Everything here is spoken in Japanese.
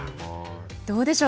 どうでしょう。